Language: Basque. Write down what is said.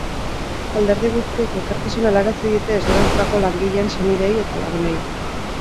Alderdi guztiek elkartasuna helarazi diete desagertutako langileen senideei eta lagunei.